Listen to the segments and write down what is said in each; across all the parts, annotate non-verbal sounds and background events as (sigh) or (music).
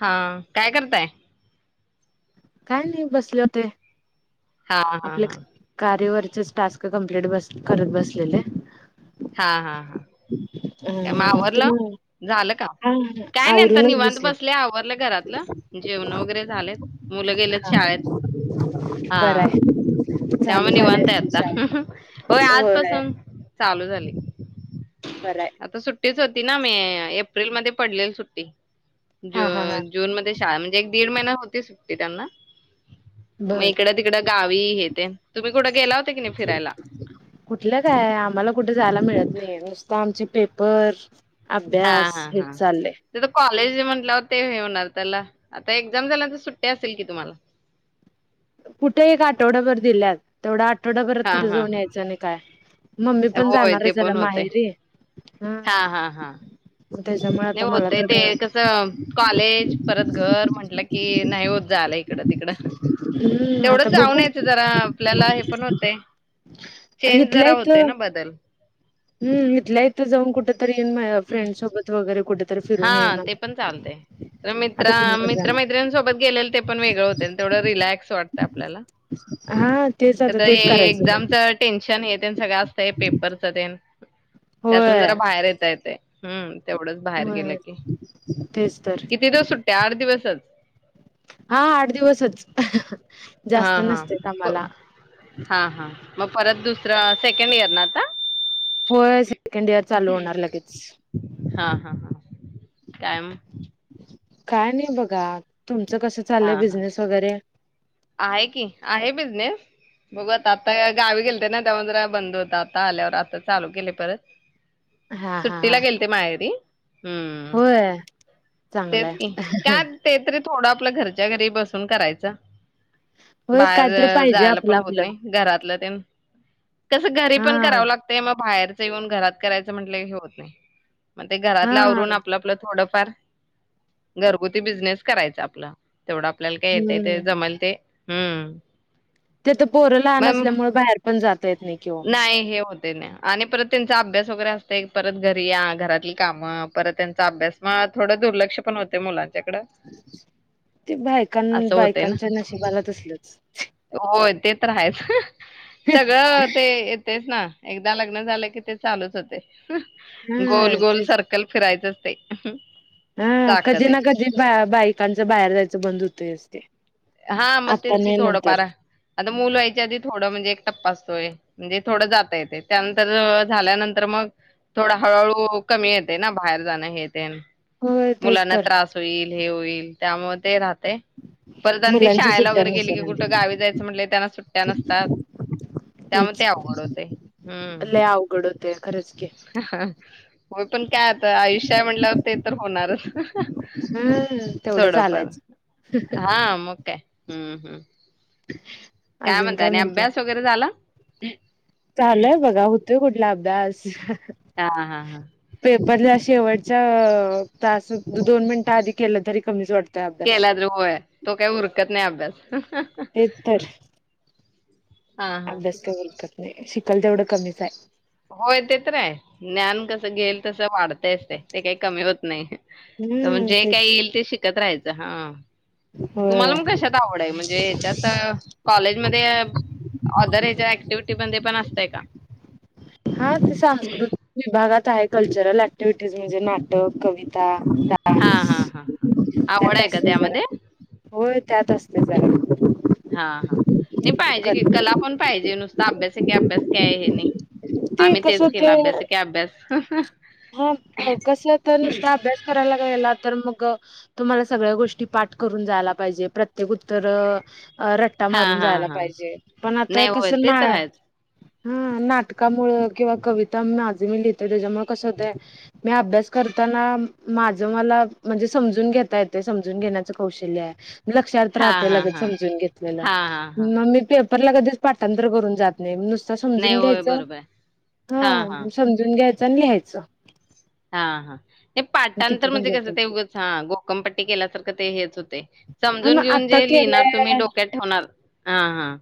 हा काय करताय काय नाही बसले होते हा हा हा आपल्या कार्यवरती टस्क कंप्ट करत बसलेले हा हा हा अ काय मग आवरलं तुम्हा झालं का हा काय नाही आता आवरूनच निवांत दिसले. बसले आवरलं घरातलं जेवण वगैरे झालेत मुलं गेलेत हा शाळेत हा बरं आहे तेमुळे चालू झाल्या निवांत आहे असतील शाळा आता होय आजपासून चालू झालं बरं आहे. आता सुट्टीच हो ना मे एप्रिल मध्ये पडलेली सुट्टी ज हा हा हा. जून मध्ये शाळ एक दीड महिना होती सुट्टी त्यांना मग बर इकड तिकडं गावी हेेत तुम्ही कुठं गेला होता की नाही फिरायला कुठलं काय आम्हाला कुठे जायला मिळत नाही ओ आमचे पेपर अभ्यास हेचचाले कॉले जे म्हट होते हे होणार त्याला आता एक्झाम झाल्यांतर सुट्टी असेल कि तुम्हाला कुठे एक आठवडाभर दिल्यात तेवढा आ आठवडाभरात हा कुठे हा जाऊन यायचं नाही काय मम्मी हा पण होय जाणार ते आहे जरा पण होतय माहेरी हा हा हा त्याच्यामुळे आता नाही मला होतय तर ते काय कसं कॉलेज परत घर म्हंटलं की नाही होत जाला इकडं तिकडं हम्म आता तेवढंच बघू जाऊनयचं जरा आपल्याला हे पण होते चेंज जरा होते ना बदल हम् इथल्या इथं जावऊन कुठात त फ्रेड सोबत वगैरे कुठे हा ते पण चालत तर मित्र कुणीकडे मित्र जाणार मैत्रिसोबत गेलेल ते पण वेगळं होते तेवढं रिलॅक्स वाटत आपल्याला हा तेच क आता हे तेच करायचं एक्झामच टेनशन हे सगळं असतं पेपरच ते त्यातून होय जरा बाहेर येत येते हम्म तेवढंच कुठे गेलं होय की तेच तर किती दिवस सुट्ट्या आठ दिवसच हा आठ दिवसच हा जास्त हा, नसते प आम्हाला हा हा मग परत दुस रा सेकंड इयर ना आता? होय सेकंड इयर चालू होणार लगेच काय म? काय नई बघा तुमचं कसं हा चाललय हा बिझनेस वगैरे? आहे की आहे बिझनेस, बघू आता आता गा गावी गेलते ना त्यामुळे जरा बंद होता, आता आल्यावर आता चालू केले परत हा हा हा सुट्टीला गेलते माहेरी हम्म होय तेच चांगलाय की का ते तरी थोडं आपल्या घरच्या घरी बसून करायच होय बाहेर काहीतरी ज पाहिजे जायाला आपलं पण होत नई आपलं घरातलं (unintelligible) कसं घरी हा पण करावं लागतंय मग बाहेरच ते येऊन घरात करायचं म्हटलं हे होत नाही. मग ते घरातल् हा आवरून आपलं आपलं थोडं घरगुती बिझनेस करायचा आपला तेवढं आपल्याला काय येतय ते जमायला हम्म. तिथं पोरं लहान मग असल्यामुळे बाहेर पण जाता येत नाही किंवा नाही हे होत. आणि परत त्यांचा अभ्यास वगैरे असतय परत घरी या घरातली कामं परत त्यांचा अभ्यास मग थोडं दुर्लक्ष पण होतय मुलांनच्याकड ते बायकांन असं होते ना बायकांच्या नशिबाला तसलंच होय ते तर हायच. सगळं ते येतयच ना. एकदा लग्न झालं की ते चालूच होतय. गोल हा गोल तेच सर्कल फिरायचंच ते अ ह हा कधी ना कधी बा बाईकांचं बाहेर जायचं बंद हूतय. ते असते. हा मग तेच की थोडंफार. मुल व्हायच्या आधी थोडं म्हणजे एक टप्पा आसतोय, म्हणजे थोडं जाता येतय, त्यानंतर झाल्यानंतर मग थोडं हळूहळू कमी येतय ना बाहेर जाणं हे तेन. होय तेच मुलांना तर त्रास होईल. हे होईल त्यामुळे ते राहतय. परत आणि ती मुलांच्या शाळेला सुट्ट्या वगैरे गेली की नसेल कुठे आणि गावी जायचं म्हटलं त्यांना सुट्टया नसतात त्यामुळे तेच ते अवघड होते. हम्म.. खरच के होय पण.. काय आता आयुष्य हाय म्हणल्यावर तेच होते. तर होणारच हम्म थोडंफार तेवढं हा मग काय चालायचं. हम्म हम्म काय अजून म्हणताय आणि अभ्यास वगैरे झाला. हम चालू आहे बघा होतोय कुटल. लाभदा अस हा हा हा बदल्या शेवटच्या तास दोन मिनिटं आधी केलं तरी कमीच वाटत केला त होय तो काही उरकत नाही अभ्यास तेच तर हा हा. अभ्यास का उरकत नाही शिक करल तेवढं कमीच आहे होय ते तर आहे ज्ञान कसं घेईल तसं वाढतयच ते ते काय कमी होत. नाही. तर मग हम्म जे काय तेच येईल ते शिकत राहायचं. हा.. होय तुम्हाला मग कशात आवड म्हणजे ह्याच्यात कॉलेजमध्ये ओदर ह्याच्या ऍक्टिव्हटी मध्ये पण अस तेका हा ते सांस्कृतिक विभागात.. काय कल्चरल ऍक्टिव्हटीज म्हणजे नाटक कविता... हा डान्स हा हा हा. आवड त्यात आहे का असते त्यामध्ये? जरा होय त्यात अस.. त्या.. हा हा नाही पाहिजे कर की कला पण पाहिजे नुसता अभ्यास आहे की अभ्यास काय हे नाही. ते आम्ही कसं तेच होते केलं अभ्यास एके अभ्यास ह ह हा कस तर नुसत अभ्यास करायला लागलेला तर मग तुम्हाला सगळ्या गोष्टी पाठ करून जायला पाहिजे प्रत्येक उत्तर.. रट्टा हा मारून हा जायला हा. पाहिजे पण आता नाही होय कसं ते ना.. तर आहेच. हा नाटकामुळ किंवा कविता माझे मी लिहितो त्याच्यामुळे कस होत मी अभ्यास करताना माझ मला म्हणजे समजून घेता येते समजून घेण्याच कौशल्य आहे लक्षात हां, राहते हां, लगेच हां. समजून घेतलेलं हां, हां, हां. म मी पे परला कधीच पाठांतर करून जात नाही नाही समजून होय, घ्यायच बरोबर आहे. हा हां, हां. समजून घ्याच चांगले आहेत. च. हा हा. नाही पाटांतर म्हणजे कसं लिहता ते उगंच हा गोकमपट्टी केल्यासारखं ते हेच होतय हा समजून मग घेऊन आता जे लिहिणार तुम्ही केलंय डोक्यात ठेवणार हा हां.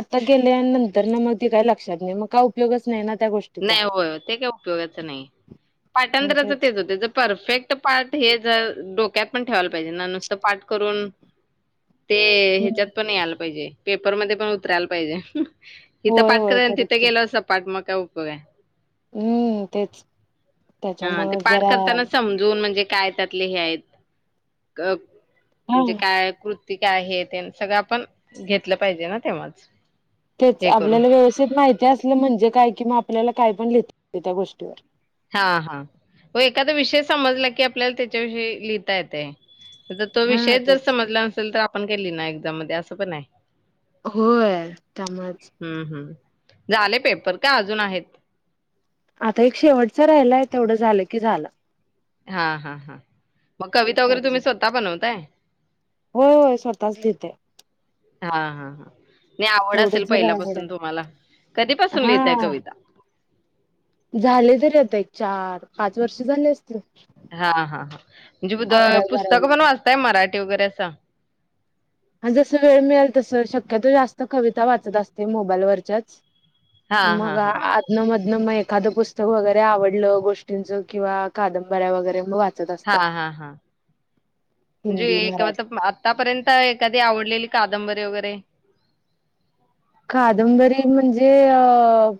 आता गेलेन अन तर ना मग ती काही लक्षात नाही मग काय उपयोगच नाही ना त्या गोष्टीचा नाही होय ते काय उपयोगाच नाही पाठांतर तेच होते जर परफेक्ट पाठ हे जर डोक्यात पण ठेवायला पाहिजे नुसत पाठ करून ते ह्याच्यात पण नाही आलं पाहिजे पेपर मध्ये पण उतरायला पाहिजे. इथं होय पाठ होय कर खरंच तिथं की गेल सपाठ मग काय ऊप होय. हम्म तेच हा ते त्याच्यामुळे पाठ जरा करताना समजून म्हणजे काय त्यातले हे आहेत हा म्हणजे काय काय आहे ते सगळं आपण घेतलं पाहिजे ना तेव्हाच तेच हे करून आपल्याला व्यवस्थित माहिती असलं म्हणजे काय कि आपल्याला काय पण लिहिता येत त्या गोष्टीवर हा हा व एखादा विषय समजला की आपल्याला त्याच्या विषयी लिहिता येतं. तो हा विषय जर तेच. समजला नसेल तर पण केली ना एक्झाम मध्ये असं पण आहे. होय त्यामुळेच हम्म झाले पेपर का अजून आहेत. आता एक शेवटच राहिलाय तेवढं झालं की झालं. हा हा हा. मग कविता वगैरे तेवढंच. तुम्ही स्वतः बनवताय? होय होय स्वतःच देते. हा हा. नाही आवड असेल जरा आवड आहे. पहिल्यापासून तुम्हाला कधीपासून लिहितायं हा कविता झाले तरी आता एक चार पाच वर्ष झाले असतील. हा हा हा म्हणजे उद अकरावी पुस्तक पण बारावीला वाचताय मराठी वगैरे अस. आणि जस वेळ मिळेल तस शक्यतो जास्त कविता वाचत असते मोबाईलवरच्याच. हां, मग हां, हां. आधनं मद मग एखादं पुस्तक वगैरे आवडलं गोष्टींचं किंवा कादंबऱ्या वगैरे मग वाचते. हा हा हा म्हणजे हिंदी एक मराठी आतापर्यंत एखा आवडलेली कादंबरी वगैरे कादंबरी म्हणजे अ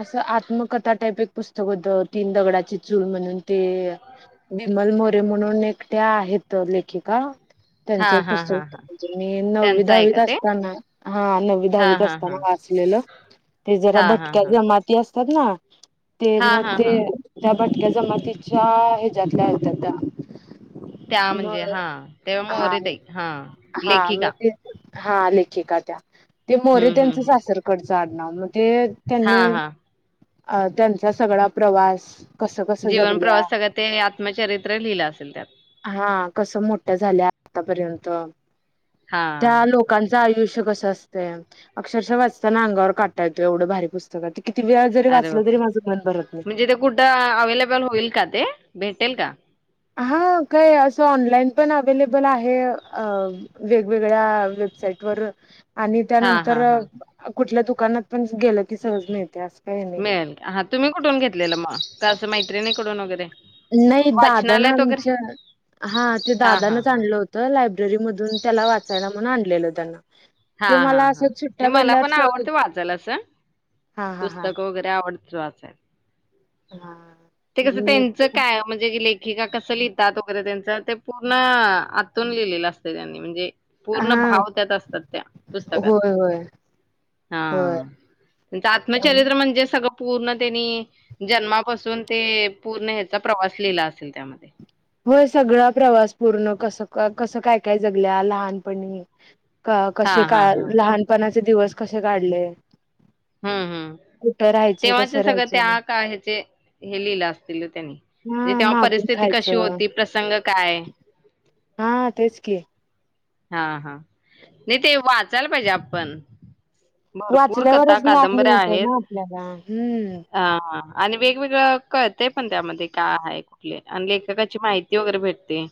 असं आत्मकथा टाईप एक पुस्तक होतं तीन दगडाची चूल म्हणून ते विमल मोरे म्हणून एकट्या आहेत लेखिका त्यांच एक हां, हां, हां, पुस्तक हां. मी नववी त्यांचं आहे दहावीत का ते? असताना हा नववी हां, दहावीत हां, असताना हां. वाचलेलं ते जरा हां, हां, भटक्या हां. जमाती असतात ना ते हां, मग हां, ते हां. (inaudible) हया जमातीच्या हेज्यातल्या होत्या त्या. त्या म्हणजे मग हा तेव्हा हा मोरे ताई हा हा मग लेखिका. ते हा लेखिका त्या ते मोरे हं, हं, त्यांचं हं. सासर कडचं (inaudible) ते त्यांनी हां, हां. अ त्यांचा सगळा प्रवास कसं कसं जीवन जगल्या प्रवास सगळ ते आत्मचरित्र लिहिलं असेल त्यात. हा कसं मोठ्या झाल्या आतापर्यंत. त्या हां. लोकांचं आयुष्य (unintelligible) अक्षरशः वाचताना अंगावर काटा येतोय एवढं भारी पुस्तक हाय ते. किती वेळा जरी अरे बाप वाचलं तरी माझं मन भरत नाही म्हणजे ते कुठं अवेलेबल होईल का ते? भेटेल का? हा काय? अस ऑनलाईन पण अवेलेबल आहे. अ.. अशा वेगवेगळ्या वेबसाइटवर. आणि हां, त्यानंतर हां, हां. कुठल्या दुकानात पण गेलं की सहज मिळतय अस. मिळेल हा तुम्ही कुठून घेतलेलं म? मैत्रिणीकडून वगैरे? नाही.. दादान वाचनालयात वगैरे आमच्या हा ते हा दादानच हा आणलं होतं लायब्ररी मधून त्याला वाचायला. म्हणुन आणलेल त्यांन. हा हा हा. नइ मला पण सहज आवडतं वाचायला असं. हा हा हा पुस्तक वगरे आवडतं. (unintelligible) हा ते कसं मी त्यांचं पण काय म्हणजे की का कसं लिहितात वगरे त्यांच, ते पूर्ण आतून लिहिलेलं असतं त्यांनी म्हणजे पूर्ण हा भाव त्यात असतात त्या पुस्तकात. होय होय होय हा त्यांचं आत्मचरित्र म्हणजे सगळं पूर्णतेनी जन्मापासून ते पूर्ण ह्याचा प्रवास लिइला असेल त्यामध्ये. होय सगळा प्रवास पूर्ण कसं का कसं काय काय जगल्या लहानपणी. का हा कशे हा काय? हा लहानपणा ते दिवस कशे काढले? ह्म्म ह्म्म.. कुठं राहायचे तेव्हाचं कसं सगळं त्या राहायचे काळचे हे लिहिलं असतील त्यांनी. जे हा तेव्हा मागून परिस्थिती क कशी खायचं होती? प्रसंग काय? हा.. तेच की. हा.. हा. नई ते वाचायला पाहिजे आपण. भरपूर कथा वाचल्यावरच ज्ञान कादंबऱ्या मिळते आहेत. ना आपल्याला हम्म हा.. हा.. आणि वेगवेगळं कळतंय पण त्यामध्ये.. का आहे कुठले? अन् लेखकाची माहिती वगरे भेटते.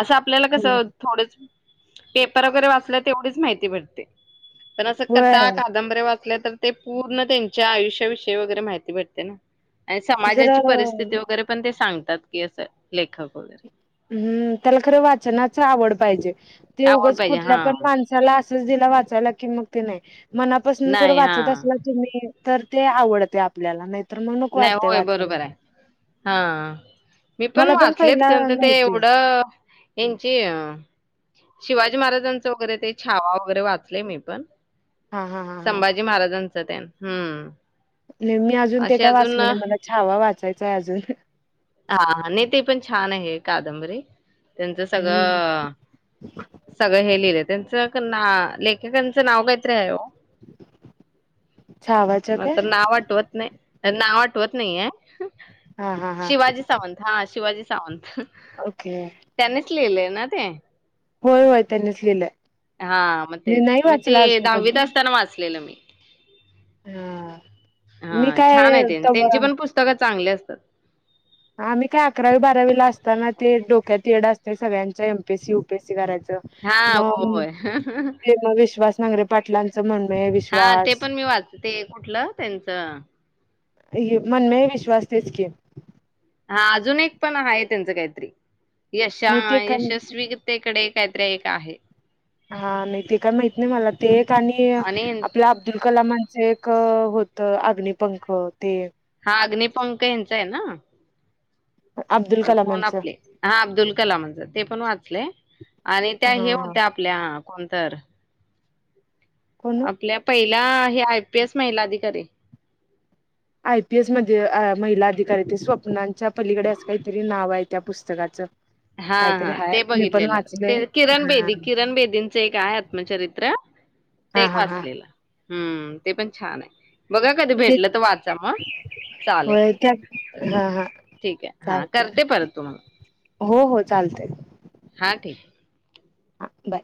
असं आपल्याला कसं थोडंच पेपर वगरे वाचल्या, तेवढीच माहिती भेटते. पण असं कथा होय कादंबऱ्या वाचल्या तर? ते पूर्ण त्यांच्या आयुष्याविषयी वगरे माहिती भेटते ना. आन् ते जरा समाजाची परिस्थिती वगरे पण ते सांग त्याात की असं लेखा वग हम्म. त्याला खरं वाचनाचं आवड पाहिजे. ते आवड उगच पाहिजे कुठल्या हा पण माणसाला असच दिलं वाचायला. की मुक्ती नाई मनापासून जर नाही हा वाचत असला तुमी तर ते हावडते आपल्याला. नाही नाइ होय, बरोबर आए. हा, मी पण मला वाचलेत पहिला कनतं ते नव्हती एव द यांची अ शिवाजी महाराजांच वगरे ते, छावा वगरे वाचलंय मी पण. हा हा हा हा संभाजी महाराजां (unintelligible) हम्म. मी आजून ते ते असे काय अजून वाचल नाय मला छावा वाचायचाय अजून हा नाही ते पण छान आहे कादंबरी त्यांचं सगळं सगळं हे लिहिलं त्यांच ना लेखेकांचं नाव काही तरी आहे ओ छावाच्या म काय आता नाव आटवत नाय नाव आठवत नाहीये. हा हा हा शिवाजी सावंत हा शिवाजी शांत ओके लेलंय ना ते होय होय त्यांनीच लिहिलंय. हा मग तेच नाही मी ते वाचला अजून दहावीत कधी असताना वाचलेलं मी हा हा मी छान आहे काय तेन तवा त्यांची पण पुस्तक चांगले असतात. आम्ही काय अकरावी बारावीला असताना ते डोक्यात येड अस ते सगळ्याच्या M P S C U P S C करायंच हा मग होय ते मग विश्वासे नांगरे पाटलां हा ते पण मी वाच ते कुठलं त्यांचं हे मन मे हे विश्वास तेच की हा अजून एक पण हाय त्यांचं काहीतरी मी ते यशा यशस्वीते कडे कायतरी एक आहे. हा नाही ते काय माहित नाही मला ते एक आणि आपल्या अब्दुल कलामांचे ए क होत अग्निपंख ते हा अग्निपंख यांचा आहे ना अब्दुल कोण कलामांचं आपले हा अब्दुल कलामच ते पण वाचलय आणि त्या हे हा होत्या आपल्या कोणं तर कोण आपल्या पहि त्या हे आय पी एस महिला अधिकारी आय पी एस मध्ये अ महिला अधिकारी ते स्वप्नांच्या पलीकडे असं काहीतरी नाव आहे त्या पुस्तकाचं हा काहीतरी हा हाय ते मी पण बघितलेलं ते वाचले किरण हा बेदी किरण बेदींचं एक आहे आत्मचरित्र ते हा एक हा हा वाचलेलं. हूं ते पण छान आहे. बघा कधी ते भेटलं तर वाचा मग चालेल होय त्या हा हा ठीक ये हा चालते करते परत तुम्हाला हो हो चालतय. हा ठीक. हा बाय.